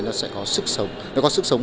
nó sẽ có sức sống